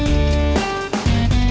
ya itu dia